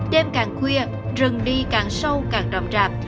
đêm càng khuya rừng đi càng sâu càng ròm rạp